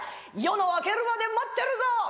夜の明けるまで待ってるぞ」。